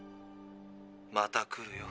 また来るよ。